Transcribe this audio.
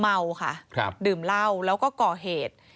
เมาค่ะดื่มเหล้าแล้วก็ก่อเหตุ